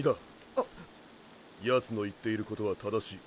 あ！ヤツの言っていることは正しい。